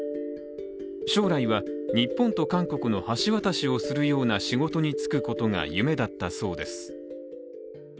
将来は日本と韓国の橋渡しをするような仕事に就くことが夢だったそうです。